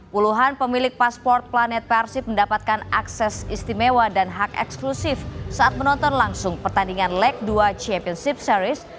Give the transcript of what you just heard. puluhan pemilik pasport planet persib mendapatkan akses istimewa dan hak eksklusif saat menonton langsung pertandingan leg dua championship series